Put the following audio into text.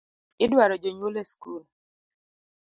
Kiny idwaro jonyuol e school